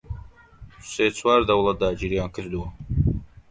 سێ چوار دەوڵەت داگیریان کردووە